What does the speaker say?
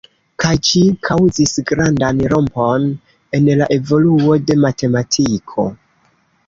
Kaj ĝi kaŭzis grandan rompon en la evoluo de matematiko.